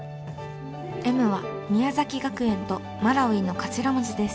Ｍは宮崎学園とマラウイの頭文字です。